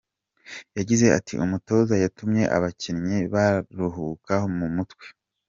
Yagize ati “Umutoza yatumye abakinnyi baruhuka mu mutwe.